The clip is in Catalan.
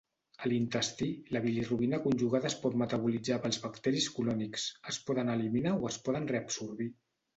A l"intestí, la bilirubina conjugada es pot metabolitzar pels bacteris colònics, es poden eliminar o es poden reabsorbir.